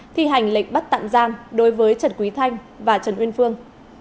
thi hành lệnh bắt tặng gian đối với trần quý thanh và trần uyên phương